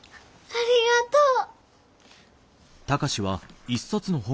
ありがとう！